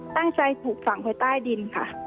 ตั้งใจถูกฝังไว้ใต้ดินค่ะ